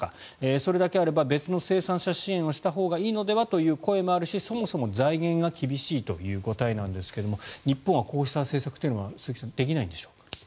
それだけあれば別の生産者支援をしたほうがいいのでは？という声もあるしそもそも財源が厳しいという答えなんですが日本はこうした政策というのは鈴木さんできないんでしょうか。